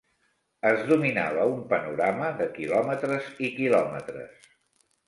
Es dominava un panorama de quilòmetres i quilòmetres